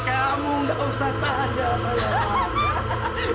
kamu enggak usah tanya sayang